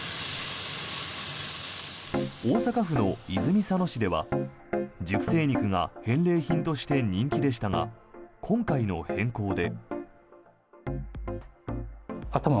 大阪府の泉佐野市では熟成肉が返礼品として人気でしたが今回の変更で。